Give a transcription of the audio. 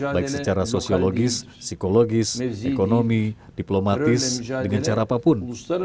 baik secara sosiologis psikologis ekonomi diplomatis dengan cara apapun